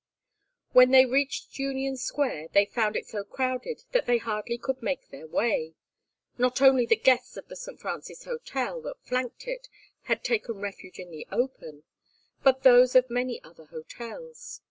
When they reached Union Square they found it so crowded that they hardly could make their way. Not only the guests of the St. Francis Hotel, that flanked it, had taken refuge in the open, but those of many other hotels.